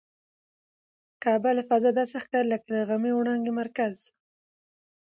کعبه له فضا داسې ښکاري لکه د غمي د وړانګو مرکز.